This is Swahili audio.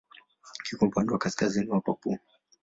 Kiko upande wa kaskazini wa Papua.